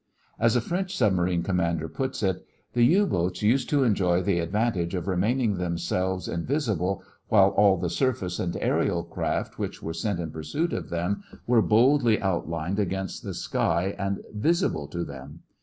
As a French submarine commander puts it: "The U boats used to enjoy the advantage of remaining themselves invisible while all the surface and aërial craft which were sent in pursuit of them were boldly outlined against the sky and visible to them.